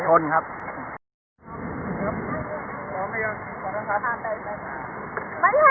ไม่ใช่คุณถ่าย